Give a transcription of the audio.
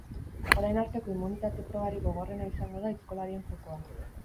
Orain arteko immunitate probarik gogorrena izango da aizkolarien jokoa.